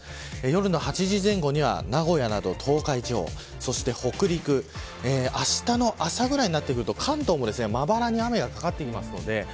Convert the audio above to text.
夜の８時前後には名古屋など東海地方そして北陸あしたの朝ぐらいになると関東もまばらに雨がかかってきます。